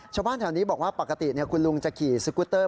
ชาวบ้านแถวนี้บอกว่าปกติคุณลุงจะขี่สกุตเตอร์